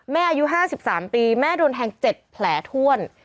แม่อายุห้าสิบสามปีแม่โดนแทงเจ็ดแผลถ้วน